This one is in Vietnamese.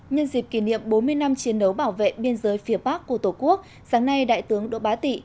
nhân dịp kỷ niệm bốn mươi năm chiến đấu bảo vệ biên giới phía bắc của tổ quốc sáng nay đại tướng đỗ bá tị